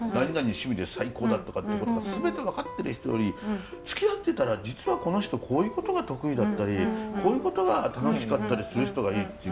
趣味で最高だとかってことが全て分かってる人よりつきあってたら実はこの人こういうことが得意だったりこういうことが楽しかったりする人がいいっていう。